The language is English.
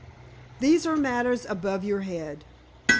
These are matters above your head.